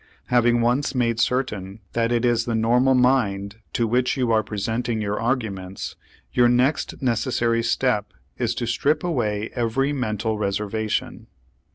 Having once made certain that it is the normal mind to which you are presenting your arguments, your next necessary step is to strip away every mental reservation.